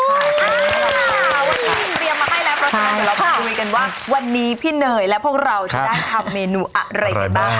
วันนี้เตรียมมาให้แล้วเราไปดูไว้กันว่าวันนี้พี่เนยและพวกเราจะได้ทำเมนูอะไรกันบ้าง